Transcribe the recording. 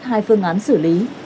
hai phương án xử lý